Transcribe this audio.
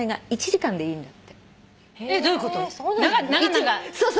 １時間でいいんだ。